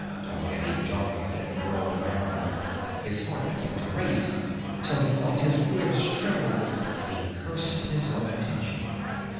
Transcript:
Dalgetty jumped and whirled around. His heart began to race, until he felt his ribs tremble and he cursed his own tension.